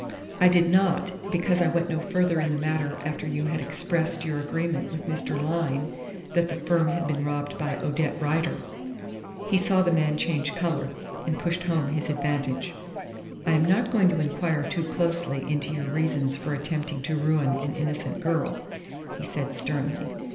"I did not, because I went no further in the matter after you had expressed your agreement with Mr. Lyne that the firm had been robbed by Odette Rider." He saw the man change colour, and pushed home his advantage. "I am not going to inquire too closely into your reasons for attempting to ruin an innocent girl," he said sternly.